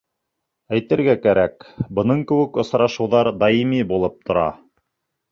Әйтергә кәрәк, бының кеүек осрашыуҙар даими булып тора.